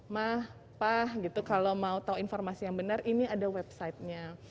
mah pak gitu kalau mau tahu informasi yang benar ini ada websitenya